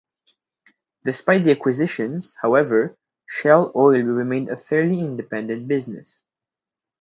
Despite the acquisition, however, Shell Oil remained a fairly independent business.